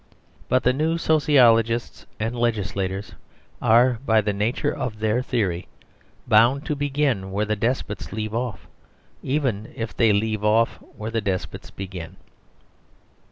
But the new sociologists and legislators are, by the nature of their theory, bound to begin where the despots leave off, even if they leave off where the despots begin.